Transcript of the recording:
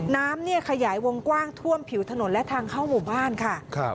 น้ำเนี่ยขยายวงกว้างท่วมผิวถนนและทางเข้าหมู่บ้านค่ะ